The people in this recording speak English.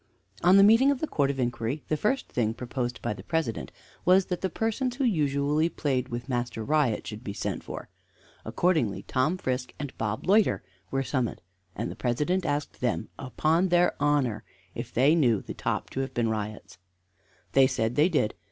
On the meeting of the Court of Inquiry the first thing proposed by the President was that the persons who usually played with Master Riot should be sent for. Accordingly Tom Frisk and Bob Loiter were summoned, when the President asked them upon their honor if they knew the top to have been Riot's. They said they did.